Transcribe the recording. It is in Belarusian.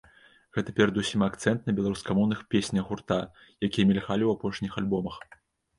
Гэта перадусім акцэнт на беларускамоўных песнях гурта, якія мільгалі ў апошніх альбомах.